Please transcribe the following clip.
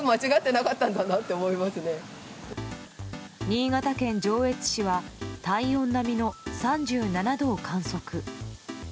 新潟県上越市は体温並みの３７度を観測。